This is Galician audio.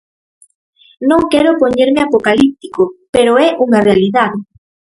Non quero poñerme apocalíptico, pero é unha realidade.